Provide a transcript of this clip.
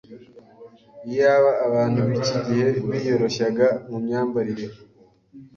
Iyaba abantu b’iki gihe biyoroshyaga mu myambarire,